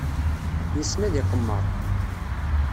Yessen ad iqemmer.